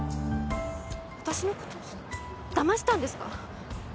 私の事だましたんですか？